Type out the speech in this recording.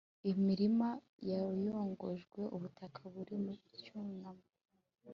Imirima yayogojwe, ubutaka buri mu cyunamo,